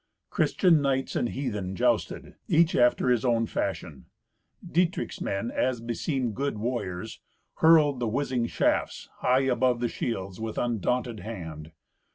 Christian knights and heathen jousted, each after his own fashion. Dietrich's men, as beseemed good warriors, hurled the whizzing shafts high above the shields, with undaunted hand.